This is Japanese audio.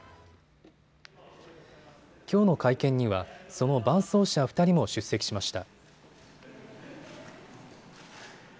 きょうの会見にはその伴走者２人も出席しました。